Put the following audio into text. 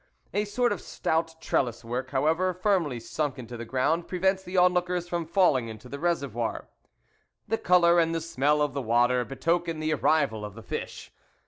A sort of stout trellis work, however, firmly sunk into the ground, prevents the on lookers from falling into the reservoir. The colour and the smell of the water betoken the arrival of the fish.